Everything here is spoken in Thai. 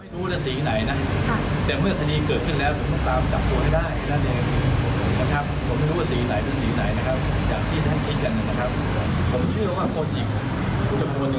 จากที่ท่านคิดกันนะครับ